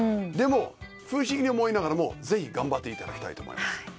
でも不思議に思いながらもぜひ頑張っていただきたいと思います。